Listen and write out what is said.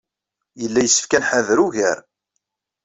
Yella yessefk ad nḥader ugar.